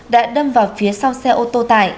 đã đâm vào phía sau xe ô tô tải